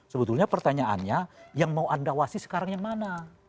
sebetulnya pertanyaannya yang mau anda wasi sekarang yang mana